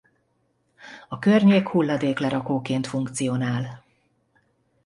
A környék hulladéklerakóként funkcionál.